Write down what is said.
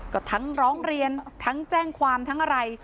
ก็ทั้งร้องเรียนทั้งแจ้งความทั้งอะไร